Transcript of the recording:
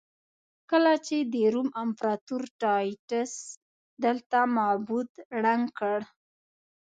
کله چې د روم امپراتور ټایټس دلته معبد ړنګ کړ.